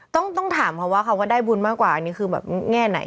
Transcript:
ต้องถามเขาว่าคำว่าได้บุญมากกว่าอันนี้คือแบบแง่ไหน